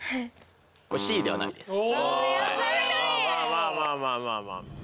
まあまあまあまあ。